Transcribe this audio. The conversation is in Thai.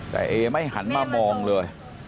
แต่เอไม่หันมามองเลย